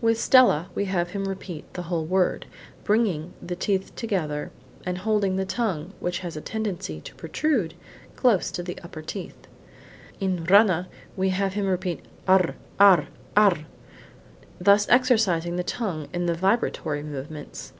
With stella we have him repeat the whole word, bringing the teeth together, and holding the tongue (which has a tendency to protrude) close against the upper teeth. In rana we have him repeat r, r, r, thus exercising the tongue in the vibratory movements.